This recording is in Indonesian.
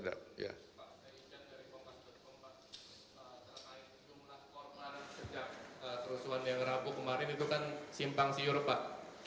jumlah korporat sejak kerusuhan yang rapuh kemarin itu kan simpang siur pak